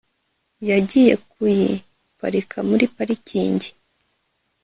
yagiye kuyi parika muri parikingi